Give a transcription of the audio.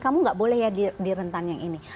kamu nggak boleh ya di rentan yang ini